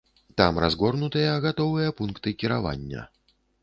Там разгорнутыя гатовыя пункты кіравання.